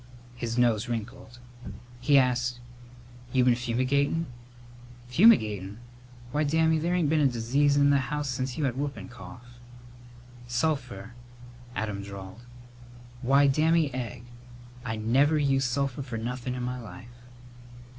His nose wrinkled. He asked, "You been fumigatin'?" "Fumigatin'! Why, Dammy, there ain't been a disease in the house since you had whoopin' cough." "Sulphur," Adam drawled. "Why, Dammy Egg! I never used sulphur for nothin' in my life!"